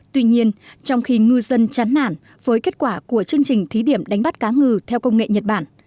tuy nhiên trong khi ngư dân chắn nản với kết quả của chương trình thí điểm đánh bắt cá ngừ theo công nghệ nhật bản